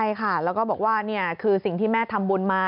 ใช่ค่ะแล้วก็บอกว่านี่คือสิ่งที่แม่ทำบุญมา